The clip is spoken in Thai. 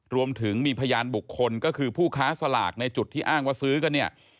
รวมถึงมีพยานบุคคลก็คือผู้ค้าสลากในจุดที่อ้างว่าซื้อกันเนี่ย